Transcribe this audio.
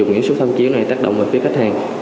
sẽ dùng những số tham chiếu này tác động về phía khách hàng